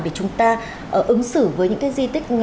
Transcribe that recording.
để chúng ta ứng xử với những cái di tích